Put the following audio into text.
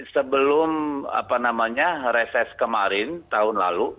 sebelum apa namanya reses kemarin tahun lalu